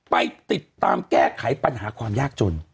ไปติดตามแก้ไขปัญหาความยากจน